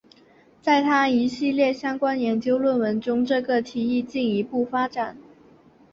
在他一系列相关研究论文中这个议题进一步发展。